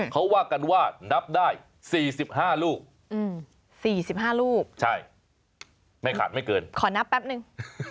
เขาว่ากันว่านับได้สี่สิบห้าลูกสี่สิบห้าลูกใช่ไม่ขาดไม่เกินขอนับแป๊บนึง